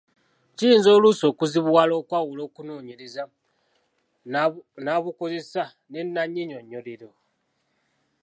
Kiyinza oluusi okuzibuwala okwawula okunoonyereza nnabukozesa ne nnannyinyonnyolero.